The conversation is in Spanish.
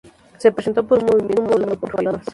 Se presentó por un movimiento avalado por firmas.